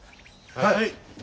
はい！